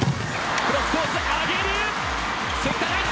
クロスコース、上げる。